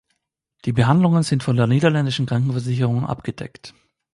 Die Behandlungen sind von der niederländischen Krankenversicherung abgedeckt.